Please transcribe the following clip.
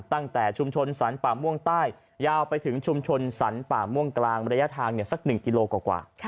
ตั้งแต่ชุมชนสรรป่าม่วงใต้ยาวไปถึงชุมชนสรรป่าม่วงกลางระยะทางสัก๑กิโลกว่า